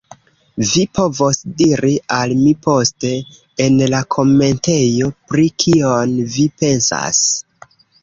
Vi povos diri al mi poste, en la komentejo, pri kion vi pensas.